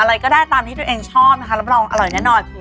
อะไรก็ได้ตามที่ตัวเองชอบนะคะรับรองอร่อยแน่นอน